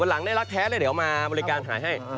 หลังได้รักแท้เลยเดี๋ยวมาบริการขายให้